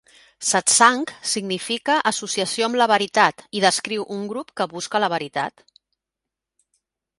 Satsang significa "associació amb la Veritat" i descriu un grup que busca la veritat.